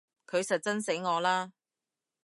佢實憎死我啦！